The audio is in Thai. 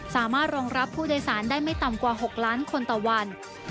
สามารถรองรับผู้โดยสารได้ไม่ต่ำกว่า๖ล้านคนต่อวัน